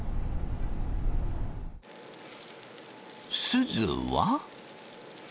すずは。